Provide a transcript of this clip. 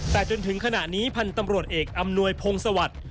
แต่จนถึงขณะนี้พันธ์ตำรวจเอกอำนวยพงศวรรค์